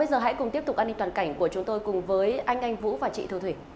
bây giờ hãy cùng tiếp tục an ninh toàn cảnh của chúng tôi cùng với anh anh vũ và chị thu thuyền